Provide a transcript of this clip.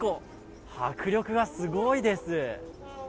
迫力がすごいです。